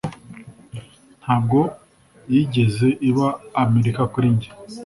Ntabwo yigeze iba Amerika kuri njye